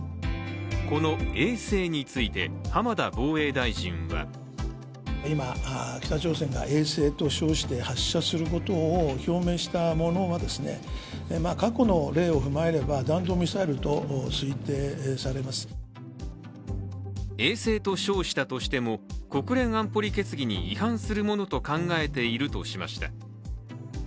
この衛星について浜田防衛大臣衛星と称したとしても国連安保理決議に違反するものと考えているとしました。